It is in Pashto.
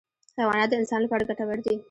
حیوانات د انسان لپاره ګټور دي.